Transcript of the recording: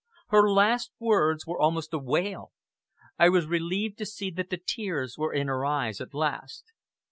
Her last words were almost a wail. I was relieved to see that the tears were in her eyes at last.